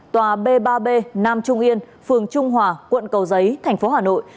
tòa b ba b nam trung yên phường trung hòa quận cầu giấy tp hà nội